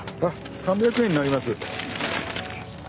３００円になります。